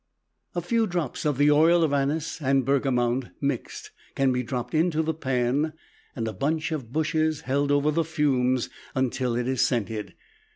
A few drops of the oil of anise and bergamont mixed can be dropped into the pan, and a bunch of bushes held over the fumes until it is scented.